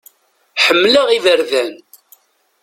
Ḥemmleɣ iberdan.